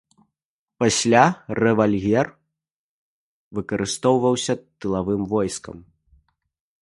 Пасля, рэвальвер выкарыстоўваўся тылавым войскам.